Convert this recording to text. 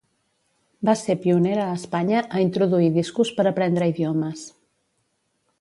Va ser pionera a Espanya a introduir discos per aprendre idiomes.